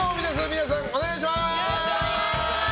皆さん、お願いします！